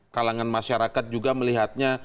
kalangan masyarakat juga melihatnya